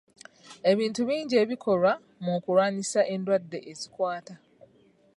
Ebintu bingi ebikolwa mu kulwanyisa endwadde ezikwata.